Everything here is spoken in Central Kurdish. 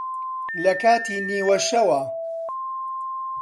لە کاتی نیوەشەوا